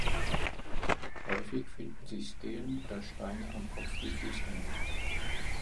Häufig finden sich Stelen oder Steine am Kopf- wie Fußende.